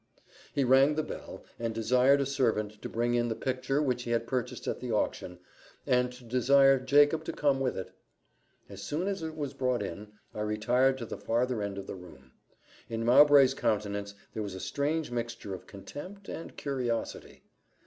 He rang the bell, and desired a servant to bring in the picture which he had purchased at the auction, and to desire Jacob to come with it. As soon as it was brought in, I retired to the farther end of the room. In Mowbray's countenance there was a strange mixture of contempt and curiosity.